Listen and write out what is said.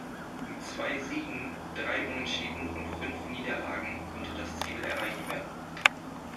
Mit zwei Siegen, drei Unentschieden und fünf Niederlagen konnte das Ziel erreicht werden.